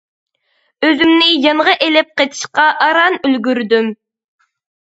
ئۆزۈمنى يانغا ئېلىپ قېچىشقا ئاران ئۈلگۈردۈم.